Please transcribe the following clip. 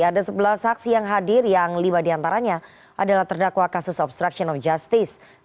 ada sebelas saksi yang hadir yang lima diantaranya adalah terdakwa kasus obstruction of justice